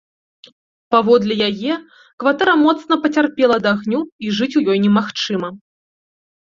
Паводле яе, кватэра моцна пацярпела ад агню і жыць у ёй немагчыма.